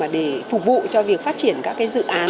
để phục vụ cho việc phát triển các dự án